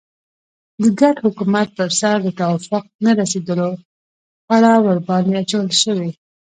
د ګډ حکومت پر سر د توافق نه رسېدلو پړه ورباندې اچول شوې.